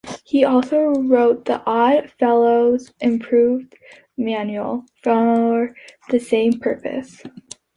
He also wrote the "Odd Fellows Improved Manual" for the same purpose.